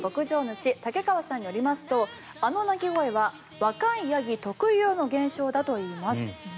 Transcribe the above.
主竹川さんによりますとあの鳴き声は若いヤギ特有の現象だといいます。